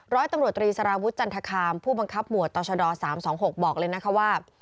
ร้อยตำรวจตรีสารวุฒิจันทคามผู้บังคับหมวดต่อชด๓๒๖บอกเลยนะคะว่า